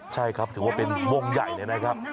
ใช่ครับถือว่าเป็นวงใหญ่เลยนะครับ